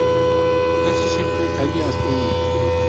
Casi siempre hay astenia.